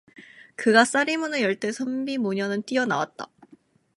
그가 싸리문을 열 때 선비 모녀는 뛰어나왔다.